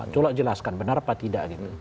tolak jelaskan benar apa tidak